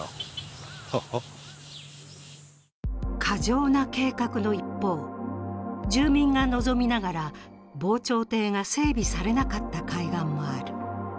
過剰な計画の一方、住民が望みながら防潮堤が整備されなかった海岸もある。